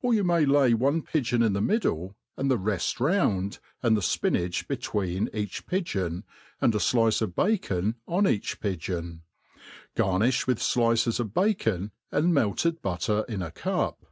Or you may lay one pigeon in the middle, and the reft round, and the fpinach between each pigeon, and a flice of bacon on each pigeon. Garhi(h *wiCh flices of bacon, and melted butter in a cup.